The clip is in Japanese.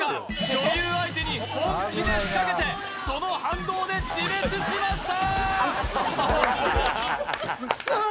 女優相手に本気で仕掛けてその反動で自滅しました。